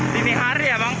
dini hari ya bang